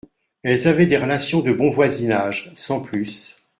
Elles avaient des relations de bon voisinage, sans plus.